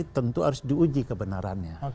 tentu harus diuji kebenarannya